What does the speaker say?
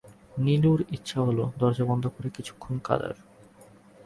নীলুর ইচ্ছা হলো দরজা বন্ধ করে কিছুক্ষণ কাঁদার।